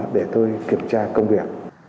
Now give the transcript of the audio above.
để tôi kiểm tra công việc